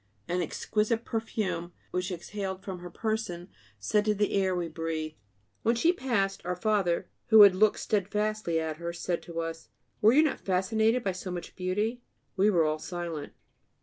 An exquisite perfume which exhaled from her person scented the air we breathed. When she had passed, our Father, who had looked steadfastly at her, said to us: 'Were you not fascinated by so much beauty?' We were all silent.